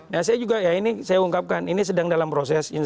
nah saya juga ya ini saya ungkapkan ini sedang dalam proses